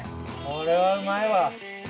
これはうまいわ。